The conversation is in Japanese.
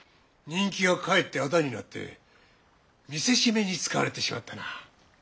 人気がかえって仇になって見せしめに使われてしまったな。